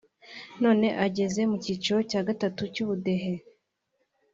none ageze mu cyiciro cya gatatu cy’ubudehe